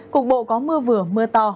cục bộ có mưa vừa mưa to